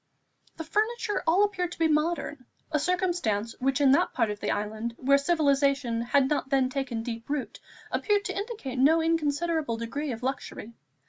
The furniture all appeared to be modern, a circumstance which in that part of the island, where civilization had not then taken deep root, appeared to indicate no inconsiderable degree of luxury.